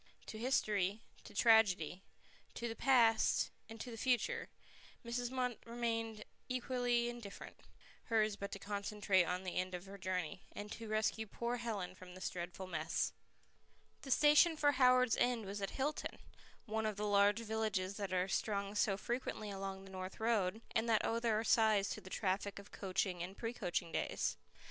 To history, to tragedy, to the past, to the future, Mrs. Munt remained equally indifferent; hers but to concentrate on the end of her journey, and to rescue poor Helen from this dreadful mess. The station for Howards End was at Hilton, one of the large villages that are strung so frequently along the North Road, and that owe their size to the traffic of coaching and pre coaching days.